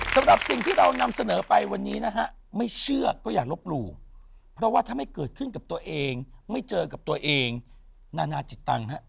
สำหรับสิ่งที่เรานำเสนอไปวันนี้นะฮะไม่เชื่อก็อย่าลบหลู่เพราะว่าถ้าไม่เกิดขึ้นกับตัวเองไม่เจอกับตัวเองนานาจิตตังค์ฮะ